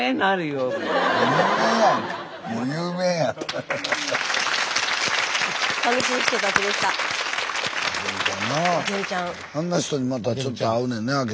あんな人にまたちょっと会うねんね。